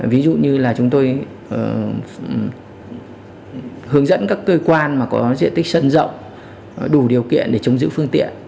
ví dụ như là chúng tôi hướng dẫn các cơ quan mà có diện tích sân rộng đủ điều kiện để chống giữ phương tiện